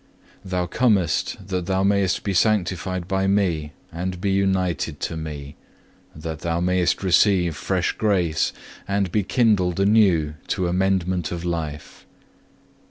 Thou comest that thou mayest be sanctified by Me, and be united to Me; that thou mayest receive fresh grace, and be kindled anew to amendment of life.